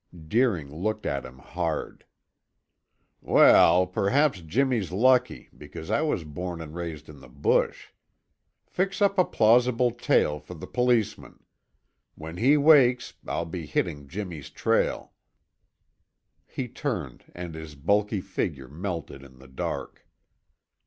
Deering looked at him hard. "Well, perhaps Jimmy's lucky because I was born and raised in the bush. Fix up a plausible tale for the policeman. When he wakes I'll be hitting Jimmy's trail." He turned and his bulky figure melted in the dark.